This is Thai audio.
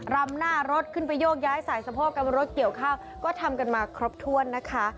รำหน้ารถขึ้นไปโยกย้ายสายสะโพกกันรถเกี่ยวข้าวก็ทำกันมาครบถ้วนนะคะ